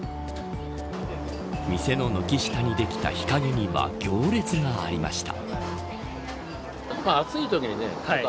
店の軒下にできた日陰には行列がありました。